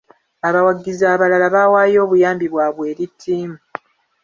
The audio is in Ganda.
Abawagizi abalala bawaayo obuyambi bwabwe eri ttiimu.